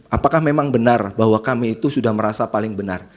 apakah memang benar bahwa kami itu sudah merasa paling benar